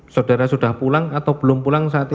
saudara sudah pulang atau belum pulang saat itu